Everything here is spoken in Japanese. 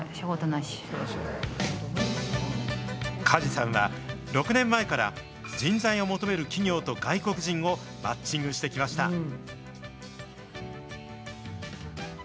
加地さんは６年前から、人材を求める企業と外国人をマッチングしてきました。